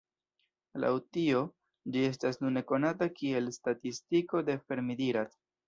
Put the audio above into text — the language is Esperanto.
Laŭ tio, ĝi estas nune konata kiel Statistiko de Fermi–Dirac.